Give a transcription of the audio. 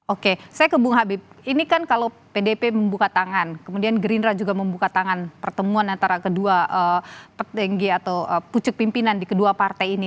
oke saya ke bung habib ini kan kalau pdp membuka tangan kemudian gerindra juga membuka tangan pertemuan antara kedua petinggi atau pucuk pimpinan di kedua partai ini